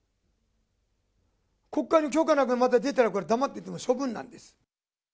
国会の許可なくまた出たら、これ、黙ってても処分なんです。